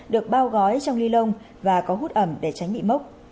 được bao gói trong ly lông và có hút ẩm để tránh bị mốc